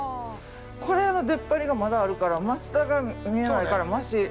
これは出っ張りが、まだ、真下が見えないから、まし。